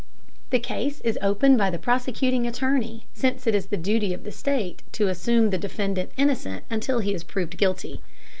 The case is opened by the prosecuting attorney, since it is the duty of the state to assume the defendant innocent until he is proved guilty.